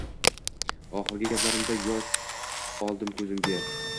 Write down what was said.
Oxirgi gaplarimda yosh oldim kuzga